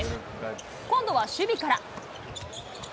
今度は守備から。